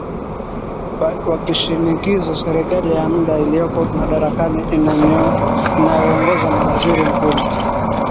wakishinikiza serikali ya mda ilioko madarakani inayoongoza na waziri mkuu